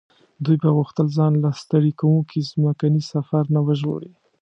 دوی به غوښتل ځان له ستړي کوونکي ځمکني سفر نه وژغوري.